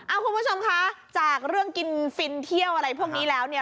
คุณผู้ชมคะจากเรื่องกินฟินเที่ยวอะไรพวกนี้แล้วเนี่ย